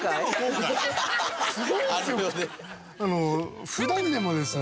あの普段でもですね